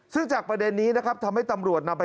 ซึ่งจากประเด็นนี้นะครับ